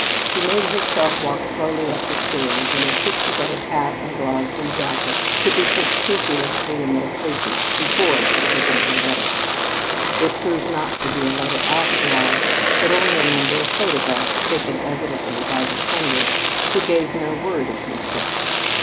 She made herself walk slowly up the stairs, and insisted that her hat and gloves and jacket should be put scrupulously in their places before she opened her letter. It proved not to be a letter, after all, but only a number of photographs, taken evidently by the sender, who gave no word of himself.